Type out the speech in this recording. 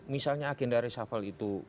misalnya agenda reshuffle itu